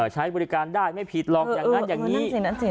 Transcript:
ใช้บริการได้ไม่ผิดหรอกอย่างนั้นอย่างนี้